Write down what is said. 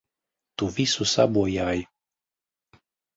Tu visu sabojāji!